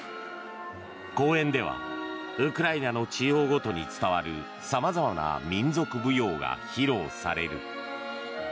公演ではウクライナの地方ごとに伝わる様々な民族舞踊が披露される。